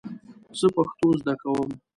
زه پښتو زده کوم .